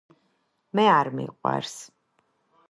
მე არ მიყვარს